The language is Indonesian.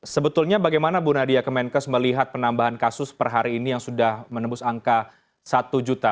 sebetulnya bagaimana bu nadia kemenkes melihat penambahan kasus per hari ini yang sudah menembus angka satu juta